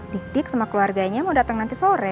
didik sama keluarganya mau datang nanti sore